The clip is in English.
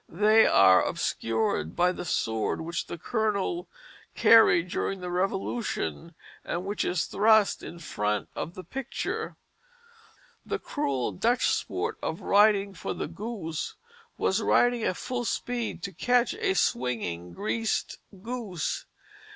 They are obscured by the sword which the colonel carried during the Revolution, and which is thrust in front of the picture. The cruel Dutch sport of riding for the goose, was riding at full speed to catch a swinging greased goose.